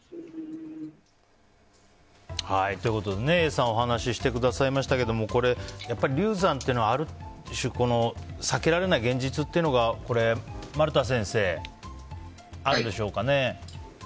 Ａさんお話ししてくださいましたけど流産というのは、ある種避けられない現実というのがこれ、丸田先生あるでしょうかね。